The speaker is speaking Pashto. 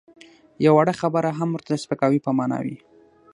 یوه وړه خبره هم ورته د سپکاوي په مانا وي.